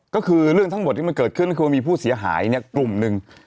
ก็คือเรื่องทั้งหมดที่มันเกิดขึ้นก็คือมีผู้เสียหายเนี่ยกลุ่มหนึ่ง